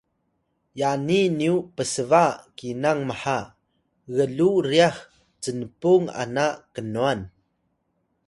yani nyu psba kinang maha gluw ryax cnpung ana knwan